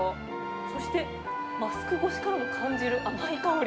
そしてマスク越しからも感じる甘い香り。